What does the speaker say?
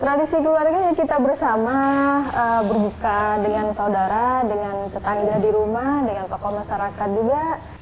tradisi keluarga ya kita bersama berbuka dengan saudara dengan tetangga di rumah dengan tokoh masyarakat juga